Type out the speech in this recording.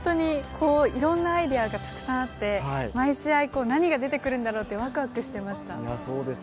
いろんなアイデアがたくさんあって、毎試合、何が出てくるんだろうって、ワクワクしていました。